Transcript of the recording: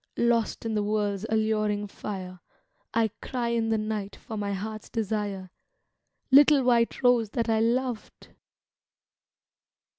Lost in the world's alluring fire, I cry in the night for my heart's desire, Little white rose that I loved